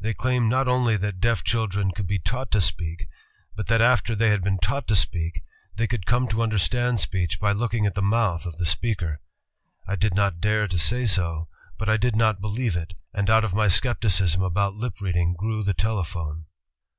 They claimed not only that deaf children could be taught to speak ... but that after they had been taught to speak, they could come to imder stand speech by looking at the mouth of the speaker ... I did not dare to say no, but I did not believe it, and out of my skepticism about lip reading grew the tele phone."